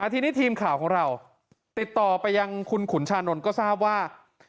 ทีนี้ทีมข่าวของเราติดต่อไปยังคุณขุนชานนท์ก็ทราบว่า